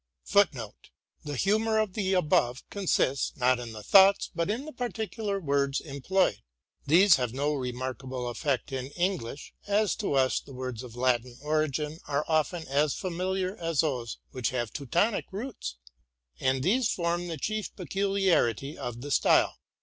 } 1 The humor of the above consists, not in the thoughts, but in the particular words employed. These have no remarkable effect in English, as to us the words of Latin origin are often as familiar as those which have Teutonic roots: and these form the chief peculiarity of the style.